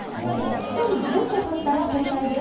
１人１０手指したら交代です。